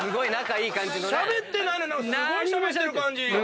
⁉しゃべってないのにすごいしゃべってる感じ！